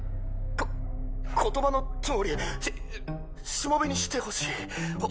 こ言葉のとおりししもべにしてほしいほ